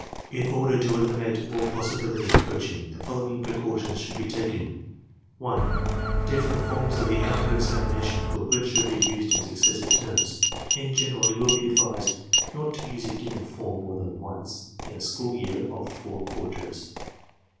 In order to eliminate all possibility of coaching, the following precautions should be taken: (1) Different forms of the alpha examination booklet should be used in successive terms. In general, it will be advisable not to use a given form more than once in a school year of four quarters.